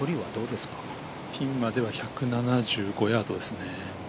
ピンまでは１７５ヤードですね。